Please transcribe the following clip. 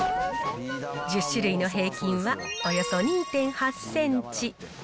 １０種類の平均は、およそ２．８センチ。